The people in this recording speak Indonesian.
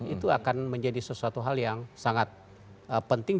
itu akan menjadi sesuatu hal yang sangat penting